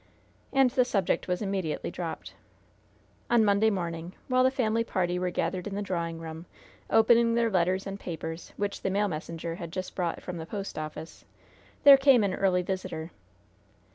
And the subject was immediately dropped. On Monday morning, while the family party were gathered in the drawing room, opening their letters and papers, which the mail messenger had just brought from the post office, there came an early visitor.